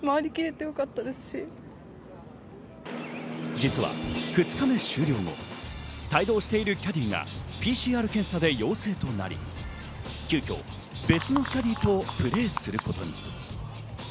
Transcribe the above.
実は２日目終了後、帯同しているキャディーがＰＣＲ検査で陽性となり、急きょ別のキャディーとプレーすることに。